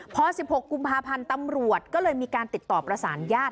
พอ๑๖กุมภาพันธ์ตำรวจก็เลยมีการติดต่อประสานญาติ